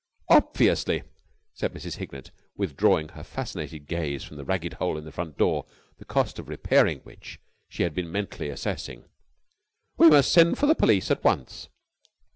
"Obviously!" said Mrs. Hignett, withdrawing her fascinated gaze from the ragged hole in the front door, the cost of repairing which she had been mentally assessing. "We must send for the police at once."